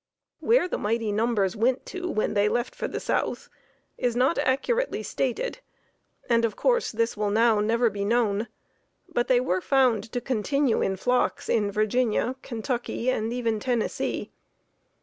Where the mighty numbers went to when they left for the south is not accurately stated, and, of course, this will now never be known, but they were found to continue in flocks in Virginia, Kentucky and even Tennessee.